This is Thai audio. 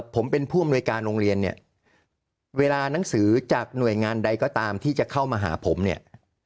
ผมเป็นผู้อำนวยการโรงเรียนเนี่ยเวลานังสือจากหน่วยงานใดก็ตามที่จะเข้ามาหาผมเนี่ย